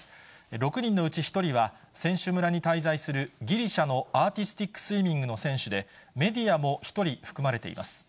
６人のうち１人は、選手村に滞在するギリシャのアーティスティックスイミングの選手で、メディアも１人含まれています。